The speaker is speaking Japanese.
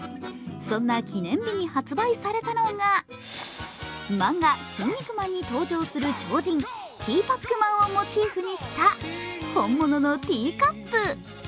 そんな記念日に発売されたのが漫画「キン肉マン」に登場する超人、ティーパックマンをモチーフにした、本物のティーカップ。